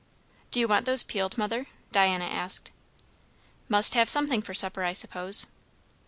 "Do you want those peeled, mother?" Diana asked. "Must have something for supper, I suppose."